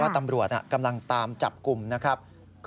ตำรวจกำลังตามจับกลุ่มนะครับ